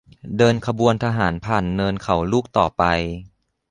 เดินขบวนทหารผ่านเนินเขาลูกต่อไป